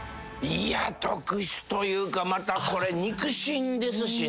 特殊というかまたこれ肉親ですしね。